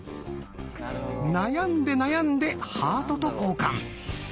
悩んで悩んでハートと交換。